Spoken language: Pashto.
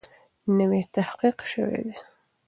نوی تحقیق سوی دی.